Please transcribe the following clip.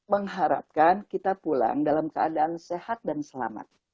mengharapkan kita pulang dalam keadaan sehat dan selamat